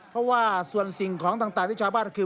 เพราะว่าส่วนสิ่งของต่างที่ชาวบ้านก็คือ